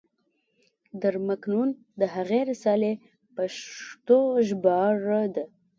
در مکنون د هغې رسالې پښتو ژباړه ده.